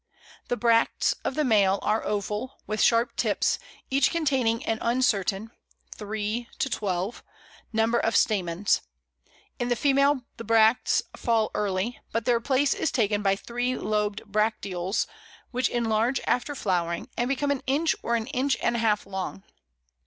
The bracts of the male are oval, with sharp tips, each containing an uncertain (3 12) number of stamens. In the female the bracts fall early, but their place is taken by three lobed bracteoles, which enlarge after flowering, and become an inch or an inch and a half long.